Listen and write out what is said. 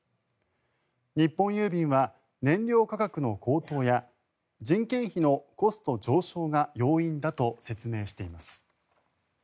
日本郵便は燃料価格の高騰や人件費のコスト上昇が要因だと説明しています。